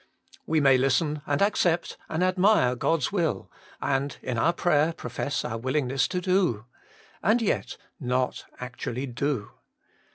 We may listen and accept and admire God's will, and in our prayer profess our willingness to do, — and 3'et not actually do.